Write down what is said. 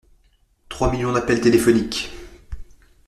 Trois millions d’appels téléphoniques.